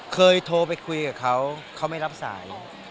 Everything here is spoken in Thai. เคยโทรไปคุยกับเขาเขาไม่รับสาย